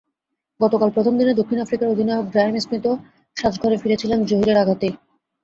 গতকাল প্রথম দিনে দক্ষিণ আফ্রিকার অধিনায়ক গ্রায়েম স্মিথও সাজঘরে ফিরেছিলেন জহিরের আঘাতেই।